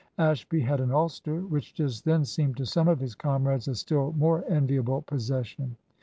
Ashby had an ulster, which just then seemed to some of his comrades a still more enviable possession.